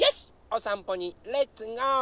おさんぽにレッツゴー！